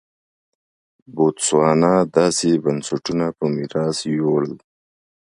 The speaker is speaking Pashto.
بوتسوانا داسې بنسټونه په میراث یووړل.